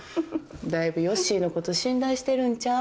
だいぶヨッシーのこと信頼してるんちゃう？